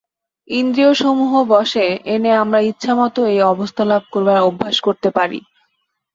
ইন্দ্রিয়সমূহ বশে এনে আমরা ইচ্ছামত এই অবস্থালাভ করবার অভ্যাস করতে পারি।